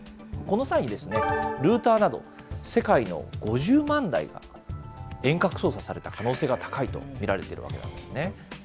この際に、ルーターなど、世界の５０万台が遠隔操作された可能性が高いと見られているわけなんですね。